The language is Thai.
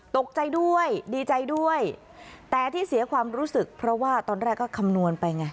ตกใจด้วยดีใจด้วยแต่ที่เสียความรู้สึกเพราะว่าตอนแรกก็คำนวณไปไง